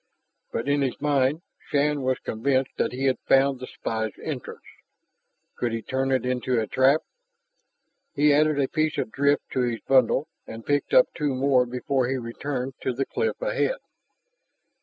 But in his mind Shann was convinced that he had found the spy's entrance. Could he turn it into a trap? He added a piece of drift to his bundle and picked up two more before he returned to the cliff ahead.